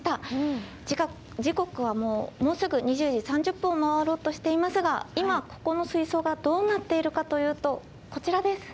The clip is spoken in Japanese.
時刻はもうすぐ２０時３０分を回ろうとしていますが今ここの水槽がどうなっているかというとこちらです。